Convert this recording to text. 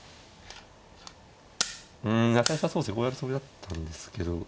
うん最初はそうですねこうやるつもりだったんですけど。